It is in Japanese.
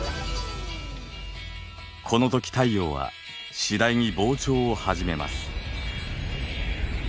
このとき太陽は次第に膨張を始めます。